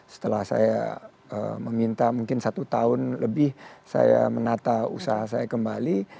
setelah saya meminta mungkin satu tahun lebih saya menata usaha saya kembali